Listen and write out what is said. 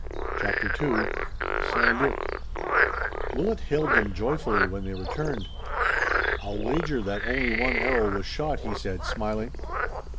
CHAPTER II ST. LUC Willet hailed them joyfully when they returned. "I'll wager that only one arrow was shot," he said, smiling.